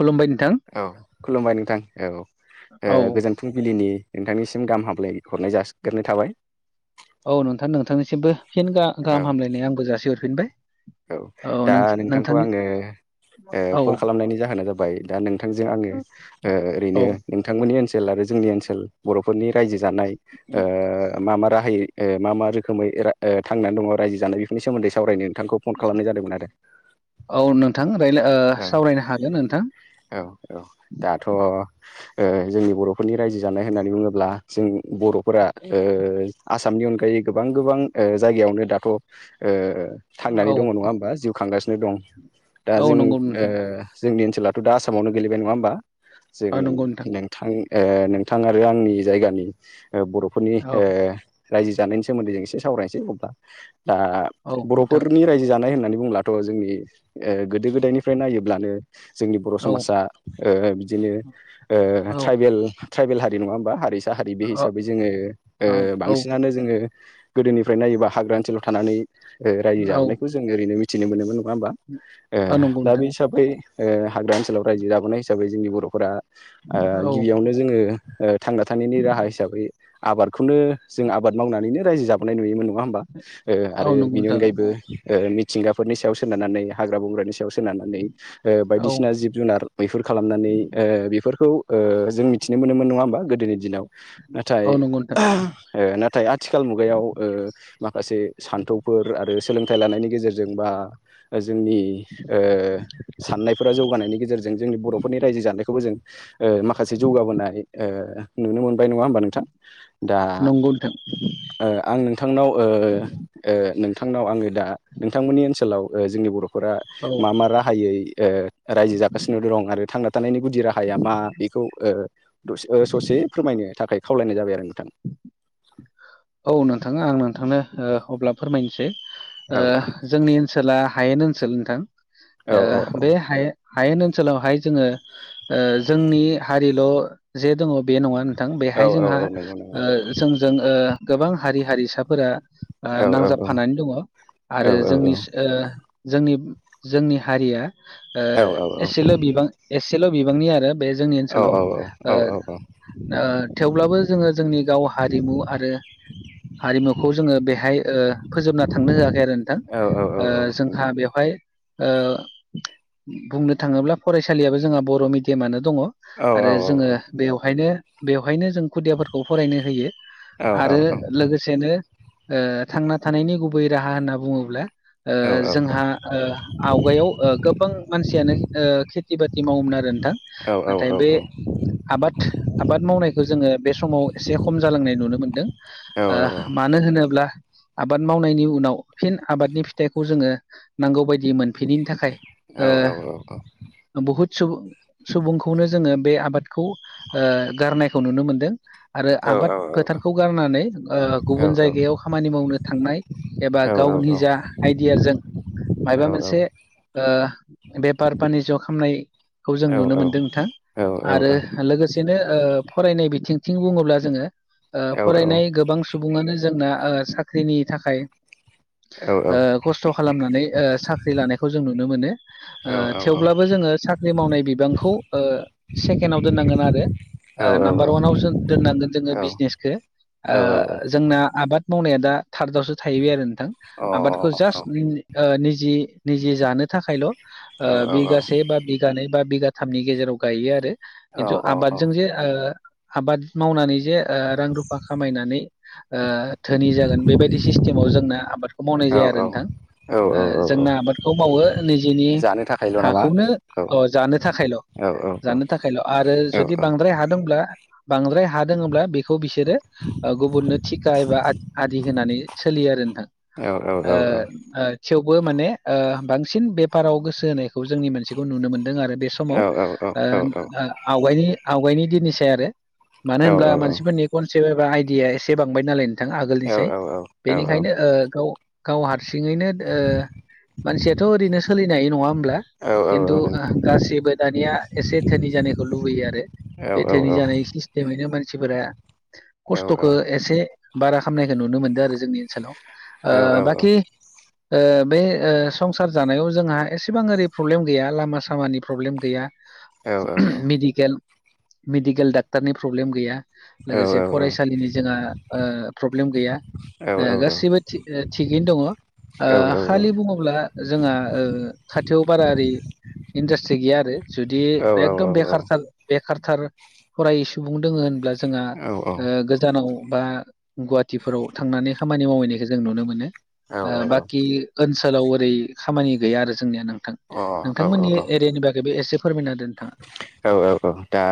खुलुमबाय नोंथां औ खुलुमबाय नोंथां औ औ गोजोन। फुंबिलिनि नोंथांनिसिम गाह हामलाय हरनाय जाग्रोनाय थाबाय औ नोंथां नोंथांनिसिमबो फिन औ गाहाम हामलायनाय आंबो जासिहरफिनबाय औ दा नोंथां नोंथांखौ नोंथांनि आङो औ कल खालामनायनि जाहोना जाबाय दा नोंथांजों आङो औ ओरैनो बिथांमोननि ओनसोल आरो जोंनि ओनसोल बर'फोरनि रायजो जानाय मा मा राहायै मा मा रोखोमै थांनानै दङ रायजो जानाय बेफोरनि सोमोन्दै सावरायनो नोंथांखौ फन खालामनाय जादोंमोन आरो। औ नोंथां राय्लाय औ सावरायनो हागोन नोंथां। औ औ। दाथ' जोंनि बर'फोरनि रायजो जानाय होननानै बुङोब्ला जों बर'फोरा आसामनि अनगायै गोबां गोबां जायगायावनो दाथ' थांनानै औ दङ नङा होमबा जिउ खांगासिनो दं दा औ जों नंगौ नोंथां ओ जोंनि ओनसोलाथ' दा आसामावनो गोेलैबाय नङा होमबा औ नंगौ नोंथां जों थां ओ नोंथां आरो आंनि जायगानि ओ बर'फोरनि औ ओ रायजो जानायनि सोमोन्दै जों एसे सावरायनोसै अब्ला दा औ बर' नोंथां रायजो जानाय होननानै बुंब्लाथ' जोंनि ओ गोदो गोदायनिफ्राय नायोब्लानो जोंनि बर' औ समाजा ओ बिदिनो ओ औ ट्राइबेल ट्राइबेल हारि नङा होमबा हारिसा हारि बे औ औ हिसाबै जोङो ओ औ बांसिनानो जोङो गोदोनिफ्रायनायोबा हाग्रा ओनसोलाव थानानै ओ रायजो जाबोनायखौ जों ओरैनो मिथिनो मोनोमोन नङा होमबा? ओ नंगौ दा बे नोंथां हिसाबै ओ हाग्रा ओनसोलाव रायजो जाबोनाय हिसाबै जोंनि बर'फोरा आ औ गिबियावनो जोङो ओ थांना थानायनि राहा हिसाबै आबादखौनो जों आबाद मावनानैनो रायजो जाबोनाय नुयोमोन नङा होमबा ओ औ आरो नंगौ बिनि नोंथां अनगायै ओ मिथिंगाफोरनि सायाव सोनारनानै हाग्रा बंग्रानि सायाव सोनारनानै ओ औ बायदिसिना जिब जुनार मैहुर खालामनानै ओ बेफोरखौ ओ जों मिथिनो मोनोमोन नङा होमबा गोदोनि दिनाव? नाथाय औ नंगौ नोंथां ओ नाथाय आथिखाल मुगायाव ओ माखासे सान्थौफोर आरो सोलोंथाइ लानायनि गेजेरजों बा जोंनि ओ साननायफोरा जौगानायनि गेजेर जों जोंनि बर'फोरनि रायजो जानायखौबो जों ओ माखासे जौगाबोनाय नुनो मोनबाय नङा होमबा नोंथां दा नंगौ नोंथां ओ आं नोंथांनाव ओ ओ नोंथांनाव आङो दा नोंथांमोननि ओनसोलाव जोंनि बर' फोरा औ मा मा राहायै ओ रायजो जागासिनो दं आरो थांना थानायनि गुदि राहाया मा बेखौ ओ ससे फोरमायनो थाखाय खावलायनाय जाबाय आरो नोंथां। औ नोंथाङा आं नोंथांनो ओ अब्ला फोरमायनोसै औ ओ जोंनि ओनसोला हायेन ओनसोल नोंथां औ ओ बे हाये हायेन ओनसोलावहाय जोङो ओ जोंनि हारिल' जे दङ बे नङा थां औ बेहाय औ जोंहा औ नंगौ नंगौ ओ जोंजों ओ गोबां हारि हारिसाफोरा ओ औ औ नांजाबफानानै दङ औ आरो औ औ जोंनि ओ जोंनि जोंनि हारिया ओ औ एसेल' बिबां एसेल' बिबांनि आरो बे जोंनि औ ओनसोलाव औ ओ थेवब्लाबो जोङो जोंनि गाव हारि रिमु आरो हारिमुखौ जोङो बेहाय ओ फोजोबना थांनो होआखै आरो नोंथां औ औ ओ औ नंगौ जोंहा बेवहाय ओ बुंनो थाङोब्ला फरायसालियाबो जोंहा बर' मिडियामानो दङ। औ औ आरो औ जोङो औ बेवहायनो बेवहायनो जों खुदियाफोरखौ फरायनो होयो औ आरो औ लोगोसेनो ओ थांना थानायनि गुबै राहा होनना बुङोब्ला। ओ औ औ जोंहा ओ आवगायाव ओ गोबां मानसियानो ओ खेथि बाथि मावोमोन आरो नोंथां। औ औ नाथाय औ बे औ आबाद आबाद मावनायखौ जोङो बे समाव एसे खम जालांनाय नुनो मोनदों। ओ मानो होनोब्ला आबाद मावनायनि उनाव फिन आबादनि फिथाइखौ जोङो नांगौ बायदि मोनफिनिनि थाखाय ओ बुहुद सुबु सुबुंखौनो जोङो बे आबाद खौ ओ गारनायखौ नुनो मोनदों आरो आबाद फोथारखौ गारनानै ओ गुबुन जायगायाव खामानि मावनो थांनाय एबा गावनिजा आइडियाजों माबा औ औ मोनसे ओ बेफार फानिज खामनायखौ जों नुनो मोनदों नोंथां। आरो लोगोसेनो ओ फरायनाय बिथिंथिं बुङोब्ला जोङो ओ फरायनाय गोबां सुबुङानो जोंना ओ साख्रिनि थाखाय ओ खस्थ' खालामनानै ओ साख्रि लानायखौ जों नुनो मोनो। औ ओ थेवब्लाबो जोङो साख्रि मावनाय बिबांखौ ओ सेकेणडआव दोननांगोन आरो नाम्बार अवानाव जों दोननांगोन जोङो बि बिजनेसखौ जोंना आबाद मावनाया दा थार्दआवसो थाहैबाय आरो नोंथां आबादखौ जास्ट नि-निजि-निजि जानो थाखायल' बिगासे बा बिगानैै बा बिगाथामनि गेजेराव गायो आरो औ खिन्थु आबादजों जे आबाद मावनानै जे रां रुफा खामायनानै धोनि जागोन बेबायदि सिस्टेमाव जोंना आबाद मावनाय जाया आरो नोंथां औ जोंना आबादखौ मावो निजेनि जानो थाखायल' नामा हाखौनो औ जानो थाखायल' जानो थाखायल' आरो औ जुदि बांद्राय हा दङब्ला बांद्राय हा दङब्ला बेखौ बिसोरो गुबुननो थिका एबा आ-आदि होनानै सोलियो आरो नोंथां। ओ ओ थेवबो माने बांसिन बेफाराव गोसो होनायखौ जोंनि मानसिखौ नुनो मोनदों आरो बे स समाव औ औ आवगायनि-आवगायनि दिननिसाय आरो मानो होनब्ला मानसि नि कनसेप्ट एबा आइडिया एसे बांबाय नालाय नोंथां आगोलनिसाय बेनिखायनो गाव गाव हारसिङैनो मानसियाथ' ओरैनो सोलिनो हायो नङा होमब्ला खिन्थु गासिबो दानिया एसे धोनि जानायखौ लुबैयो आरो बे धोनि जानाय सिस्टेमैनो मानसिफोरा खस्थ'खौ एसे बारा खामनायखौ नुनो मोनदों आरो जोंनि ओनसोलाव ओ बाखि बे संसार जानायाव जोंहा एसेबां ओरै प्रब्लेम गैया लामा सामानि प्रब्लेम गैया मेडिकेल मेडिकेल डाक्टारनि प्रब्लेम गैया। औ लोगोसे औ औ फरायसालिनि जोंहा प्रब्लेम गैया। औ औ औ गासैबो थिग-थिगैनो दङ औ खालि अ बुङोब्ला जोंहा खाथियाव बारा ओरै इन्डास्ट्रि गैया आरो जुदि औ एकदम बेखारथार बेखारथार फरायै सुबुं दोङो होनब्ला जोंआ औ औ गोजानाव बा गुवाहाटिफोराव थांनानै खामानि मावहैनायखौ जों नुनो मोनो। औ बाखि ओनसोलाव ओरै खामानि गैया आरो जोंनिया नोंथां नोंथांमोननि एरियानि बागैबो एसे फोरमायना होदो नोंथाङा। औ औ औ दा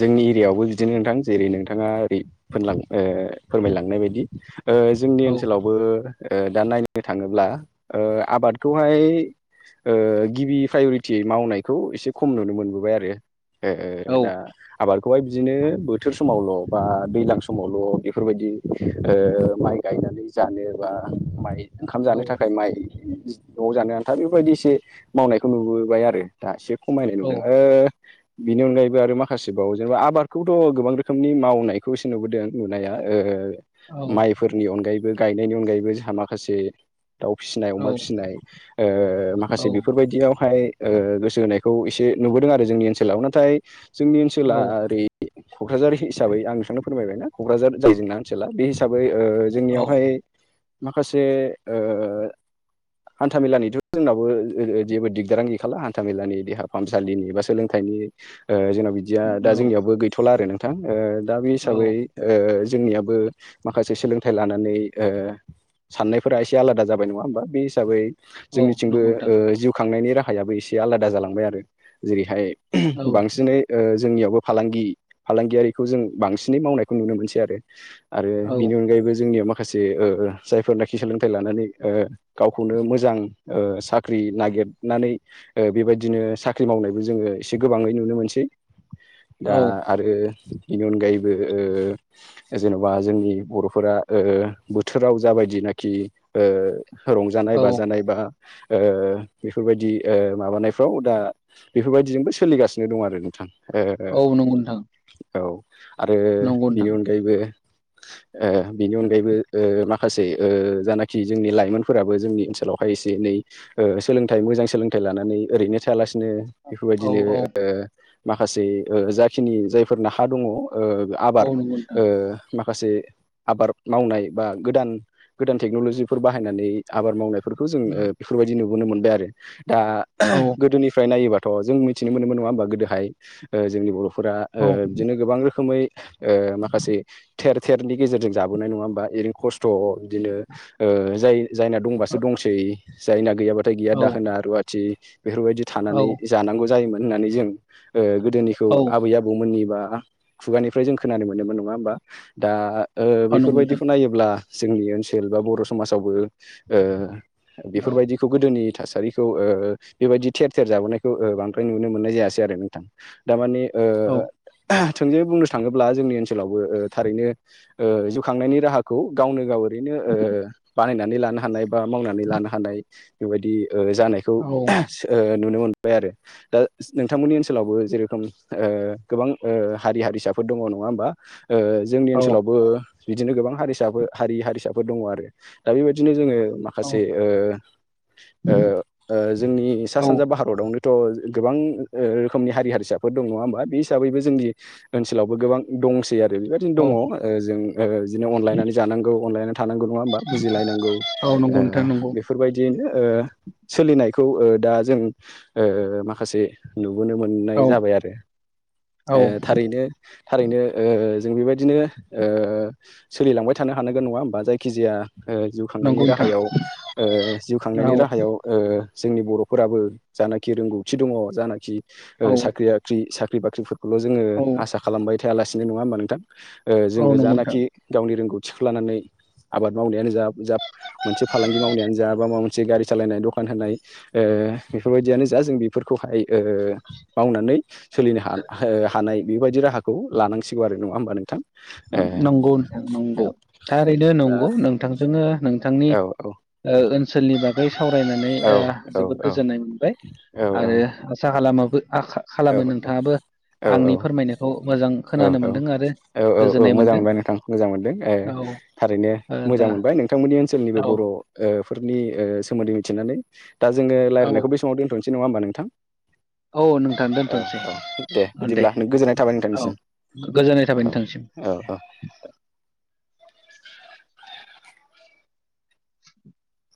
जोंनि एरियायावबो बिदिनो नोंथां जेरै नोंथाङा ओरै फोरलां फोरमायलांनाय बायदि जोंनि औ ओनसोलावबो दा नायनो थाङोब्ला आबादखौहाय गिबि प्रायरिटियै मावनायखौ एसे खम नुनो मोनबोबाय आरो औ दा आबादखौहाय बिदिनो बोथोर समावल' बा दैलां समावल' बेफोरबायदि माइ गायनानै जानो बा माइ ओंखाम औ जानो थाखाय माइ न'आव जानो आन्था बेफोरबायदि एसे मावनायखौ नुबोबाय आरो दा एसे खमायनाय नुदों औ बिनि अनगायैबो आरो माखासेबाव जेनेबा आबादखौथ' गोबां रोखोमनि मावनायखौ एसे नुबोदों नुनाया औ माइफोरनि अनगायैबो गायनायनि अनगायैबो जोंहा माखासे दाउ फिसिनाय अमा फिसिनाय औ माखासे बेफोरबायदियावहाय गोसो होनायखौ एसे नुबोदों आरो जोंनि ओनसोलाव नाथाय जोंनि औ ओनसोला ओरै क'क्रराझार हिसाबै आं नोंथांनो फोरमायबायना क'क्रराझार जायो जोंना ओनसोला बे हि साबै औ जोंनियावहाय माखासे हान्था मेलानिथ' जोंनाबो जेबो दिगदारानो गैखाला हान्थामेलानि देहा फाहामसालिनि बा सोलोंथाइनि जोंनाव बिदिया दा जोंनियावबो गैथ'ला आरो नों थां दा बे हिसाबै जोंनियाबो माखासे सोलोंथाइ लानानै साननायफोरा एसे आलादा जाबाय नङा होमबा बे हिसाबै औ जोंनिथिंबो नंगौ नोंथां जिउ खांनायनि राहायाबो एसे आलादा जालांबाय आरो जेरैहाय औ बांसिनै ओ जोंनियावबो फालांगि फालांगियारिखौ जों बांसिनै मावनायखौ नुनो मोनसै आरो आरो औ बिनि अनगायैबो जोंनियाव माखासे ओ जायफोरनाखि सोलोंथाइ लानानै ओ गावखौनो मोजां ओ साख्रि नागिरनानै बेबायदिनो ओ साख्रि साख्रि मावनायबो जोङो एसे गोबाङै नुनो मोनसै दा औ आरो बेनि अनगायैबो जेन'बा जोंनि बर'फोरा ओ बोथोराव जाबादि नाखि रंजानाय औ बाजानाय बा ओ बेफोरबायदि ओ माबानायफ्राव दा बेफोरबायदिजोंबो सोलिगासिनो दं आरो नोंथां औ नंगौ नोंथां ओ औ आरो नंगौ बिनि नोंथां अनगायैबो बिनि अनगायैबो माखासे माखासे ओ जानाखि जोंनि लाइमोनफोराबो जोंनि ओनसोलावहाय एसे एनै ओ सोलोंथाइ मोजां सोलोंथाइ लानानै ओरैनो थायालासे औ बेफोरबायदिनो औ ओ माखासे ओ जाखिनि जायफोर ना हा दङ ओ औ आबाद नंगौ नोंथां ओ माखासे आबाद मावनाय बा गोदान गोदान टेक्न'ल'जिफोर बाहायनानै आबाद मावनाय बेफोरखौ जों बेफोरबायदि नुबोनो मोनबाय आरो दा औ औ गोदोनि फ्राय नायोबाथ' जों मिथिनो मोनोमोन नङा होमबा गोदोहाय ओ जोंनि बर'फोरा औ बिदिनो गोबां रोखोमै माखासे थेर सेरनि गेजेरजों जाबोनाय नङा होमबा ओरैनो खस्थ' बिदिनो ओ जाय जायना दंबासो दंसै जायना गैयाबाथाय गैया दाहोना रुवाथि बेफोरबायदि औ थानानै जानांगौ जायोमोन होननानै जों गोदोनिखौ औ आबै आबौमोननिबा खुगानिफ्राय जों खोनानो मोनोमोन नङा होमबा दा औ नंगौ नोंथां बेफोरबायदिखौ नायोब्ला जोंनि ओनसोल बा बर' समाजावबो औ बेफोरबायदि बेखौ गोदोनि थासारिखौ बेबायदि थेर थेर जाबोनायखौ बांद्राय नुनो मोननाय जायासै आरो नोंथां थारमाने औ थोंजोे बुंनो थाङोब्ला जोंनि ओनसोलावबो थारैनो जउखांनायनि राहाखौ गावनो गाव ओरैनो बानायनानै लानो हानाय बा मावनानै लानो हानाय बेबायदि जानायखौ औ नुनो मोनबाय आरो दा नोंथांमोननि ओनसोलावबो जेरोखम गोबां हारि हारिसाफोर दङ नङा होमबा ओ जोंनि औ ओनसोलावबो बिदिनो गोबां हारिसाफोर हारि हारिसाफोर दङ आरो दा बेबायदिनो जोंङो औ माखासे ओ ओ जोंनि सा सानजा भारतआवनोथ' गोबां रोखोमनि हारि हारिसाफोर दं नंङा होमबा बे हिसाबैबो जोंनि ओनसोलावबो गोबां दंसै आरो आरो बेबायदिनो दङ जों बिदिनो अनलायनानै जानांगौ अनलायनानै थानांगौ नङा होमबा बुजिलायनांगौ औ नंगौ नोंथां नंगौ बेफोरबायदियैनो सोलिनायखौ दा जों ओ माखासे नुबोनो औ मोननाय जाबाय आरो औ थारैनो थारैनो जों बेबायदिनो सोलिलांबाय थानो हानांगोन नंङा होमबा जायखिजाया जिउ नंगौ खांनायनि नोंथां राहायाव जिउ औ खांनायनि राहायाव जोंनि बर' फोराबो जानाखि रोंगौथि दङ जानाखि औ साख्रि बाख्रि साख्रि बाख्रिफोर खौल' जोङो औ आसा खालामबाय थायालासिनो नङा होमबा नोंथां औ जोङो नंगौ नोंथां जानाखि गावनि रोंगौथिखौ लानानै आबाद मावनायानो जा जा मोनसे फालांगि मावनायानो जा बा मावनाय से गारि सालायनाय दखान होनाय बेफोरबायदियानो जा जों बेफोरखौहाय मावनानै सोलिनो ह हानाय बेबायदि राहाखौ लानांसिगौ आरो नङा होमबा नोंथां ए नंगौ नोंथां नंगौ औ थाररैनो दा नंगौ नोंथांजोंनो नोंथांनि औ औ ओ ओनसोलनि बागै सावरायनानै औ ओ औ जोबोद औ गोजोननाय मोनबाय औ औ आरो आसा खालामो औ खालामो नोंथाङाबो आंनि फोरमायनायखौ मोजां खोनानो मोनदों आरो औ औ औ गोजोननाय मोजां मोनदों मोनबाय नोंथां मोजां मोनदों ओ थारैनो दा मोजां मोनबाय नोंथांमोननि ओनसोलनिबो औ बर' ओ फोरनि ओ सोमोन्दै मिथिनानै दा जोङो औ रायलायनायखौ बे समाव दोनथ'नोसै नङा होमबा नोंथां? औ नोंथां औ दोनथ'नोसै औ दे बिदिब्ला गोजोननाय थाबाय औ नोंथांनिसिम गोजोननाय थाबाय औ नोंथांसिम। औ औ [inaudible] [inaudible]